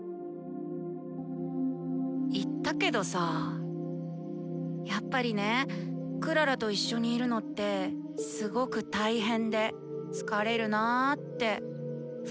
言ったけどさやっぱりねクララと一緒にいるのってすごく大変で疲れるなって不公平だなって思うんだ。